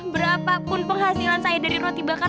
berapapun penghasilan saya dari roti bakar